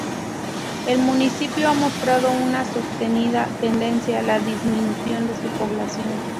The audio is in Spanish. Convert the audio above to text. El municipio ha mostrado una sostenida tendencia a la disminución de su población.